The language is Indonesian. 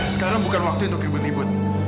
sekarang bukan waktu untuk ribut ribut